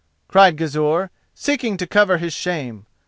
cried Gizur, seeking to cover his shame.